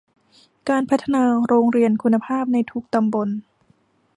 การพัฒนาโรงเรียนคุณภาพในทุกตำบล